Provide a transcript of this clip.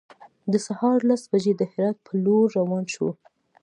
د سهار لس بجې د هرات په لور روان شولو.